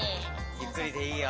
ゆっくりでいいよ。